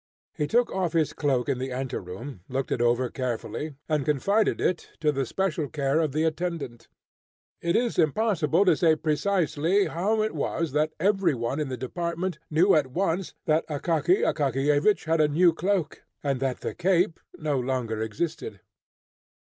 He took off his cloak in the ante room, looked it over carefully, and confided it to the special care of the attendant. It is impossible to say precisely how it was that every one in the department knew at once that Akaky Akakiyevich had a new cloak, and that the "cape" no longer existed.